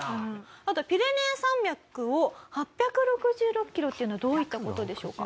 あとピレネー山脈を８６６キロっていうのはどういった事でしょうか？